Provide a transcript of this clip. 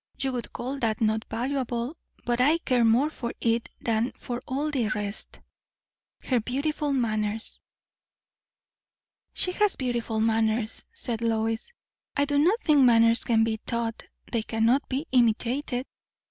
You would call that not valuable; but I care more for it than for all the rest. Her beautiful manners." "She has beautiful manners," said Lois. "I do not think manners can be taught. They cannot be imitated."